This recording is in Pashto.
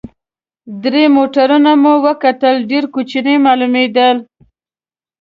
درې موټرونه مو وکتل، ډېر کوچني معلومېدل.